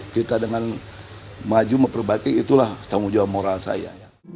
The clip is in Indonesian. kita dengan maju memperbaiki itulah tanggung jawab moral saya